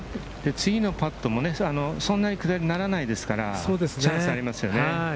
次のパットもね、そんなに下りにならないですから、チャンスありますよね。